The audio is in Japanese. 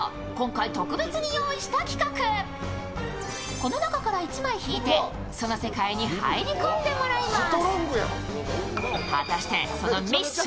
この中から１枚引いてその世界に入り込んでもらいます。